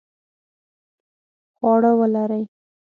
خواړه ولړئ